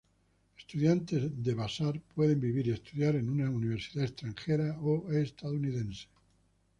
Estudiantes de Vassar pueden vivir y estudiar en una universidad extranjera o estadounidense.